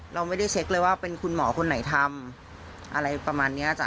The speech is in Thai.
เราไม่ได้เช็คเลยว่าเป็นคุณหมอคนไหนทำอะไรประมาณนี้จ้